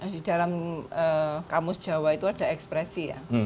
di dalam kamus jawa itu ada ekstremis